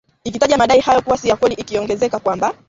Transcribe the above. ikitaja madai hayo kuwa si ya kweli ikiongezea kwamba